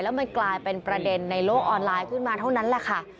มันกลายเป็นประเด็นในโลกออนไลน์ขึ้นมาเท่านั้นแหละค่ะ